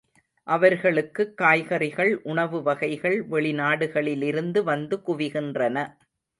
அவர்களுக்குக் காய்கறிகள் உணவுவகைகள் வெளிநாடுகளிலிருந்து வந்து குவிகின்றன.